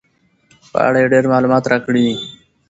په اړه یې ډېر معلومات راکړي دي.